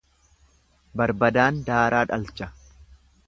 Barbadaan daaraa dhalcha.